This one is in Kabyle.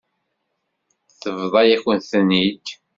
Tebḍa-yakent-ten-id.